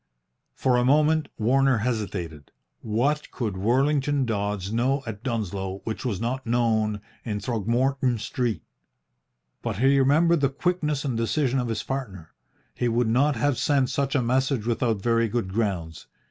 For a moment Warner hesitated. What could Worlington Dodds know at Dunsloe which was not known in Throgmorton Street? But he remembered the quickness and decision of his partner. He would not have sent such a message without very good grounds.